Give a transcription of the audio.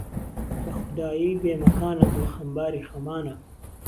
به خودایهی بێ مهکانه دڵ خهمباری خهمانه